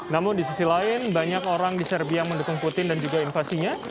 namun di sisi lain banyak orang di serbi yang mendukung putin dan juga invasinya